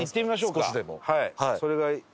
少しでも。